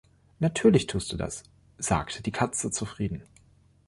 „Natürlich tust zu das“, sagte die Katze zufrieden.